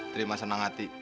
terima senang hati